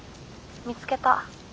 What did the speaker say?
見つけた。